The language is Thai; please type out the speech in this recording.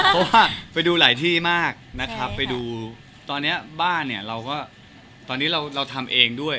เพราะว่าไปดูหลายที่มากนะครับไปดูตอนนี้บ้านเนี่ยเราก็ตอนนี้เราทำเองด้วย